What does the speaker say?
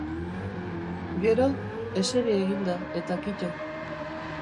Gero? Eseri egin da, eta kito.